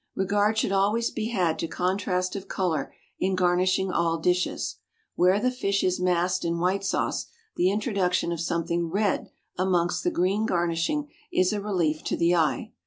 Regard should always be had to contrast of colour in garnishing all dishes. Where the fish is masked in white sauce, the introduction of something red amongst the green garnishing is a relief to the eye.